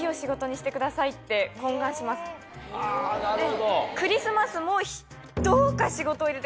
あなるほど。